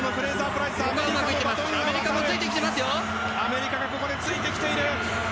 アメリカがついてきている。